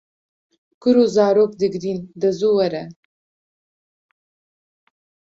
Kur û zarok digrîn, de zû were